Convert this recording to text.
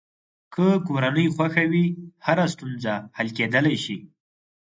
که کورنۍ خوښه وي، هره ستونزه حل کېدلی شي.